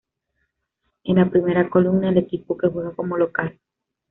En la primera columna, el equipo que juega como local.